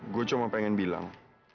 gue cuma pengen bilang